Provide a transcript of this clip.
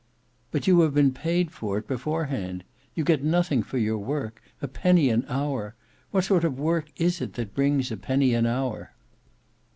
"But you have been paid for it beforehand. You get nothing for your work. A penny an hour! What sort of work is it, that brings a penny an hour?"